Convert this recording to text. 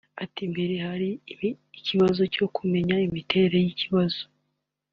Ati "Mbere hari ikibazo cyo kumenya imiterere y’ ikibazo